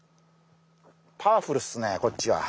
パワフルっすねこっちは。